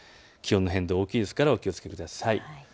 気温の変動が大きいですからお気をつけください。